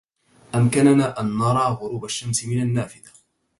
أمكننا أن نرى غروب الشمس من النافذة.